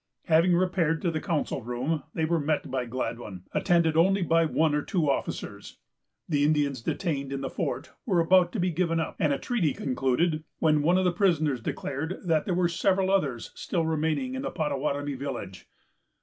Having repaired to the council room, they were met by Gladwyn, attended only by one or two officers. The Indians detained in the fort were about to be given up, and a treaty concluded, when one of the prisoners declared that there were several others still remaining in the Pottawattamie village.